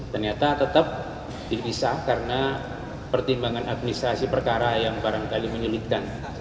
ternyata tetap dipisah karena pertimbangan administrasi perkara yang barangkali menyulitkan